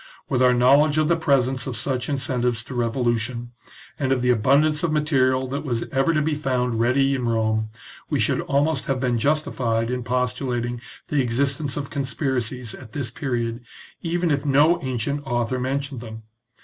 With our knowledge of the presence of such incentives to revolution^ and of the abundance of material that was ever to be found ready in Rome, we should almost have been justified in postulating the existence of conspiracies at this period, even if no ancient author mentioned them.